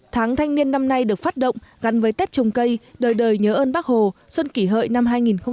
tháng thanh niên năm nay được phát động gắn với tết trồng cây đời đời nhớ ơn bác hồ xuân kỷ hợi năm hai nghìn một mươi chín